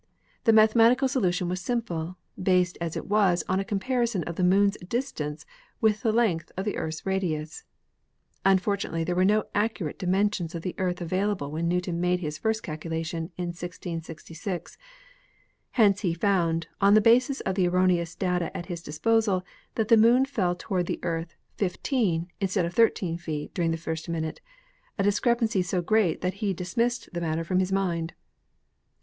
The mathematical solution was simple, based as it was on a comparison of the Moon's distance with the length of the Earth's radius. Unfortunately there were no accurate di mensions of the Earth available when Newton made his fir&t calculation in 1666. Hence he found, on the basis of the erroneous data at his disposal, that the Moon fell to ward the Earth fifteen instead of thirteen feet during the first minute, a discrepancy so great that he dismissed the matter from his mind.